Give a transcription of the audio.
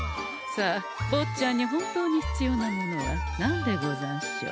さあぼっちゃんに本当に必要なものは何でござんしょう？